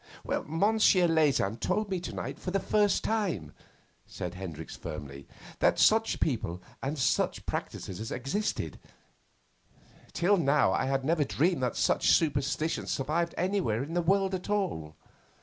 'Monsieur Leysin told me to night for the first time,' said Hendricks firmly, 'that such people and such practices existed. Till now I had never dreamed that such superstitions survived anywhere in the world at all.